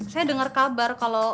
saya dengar kabar kalau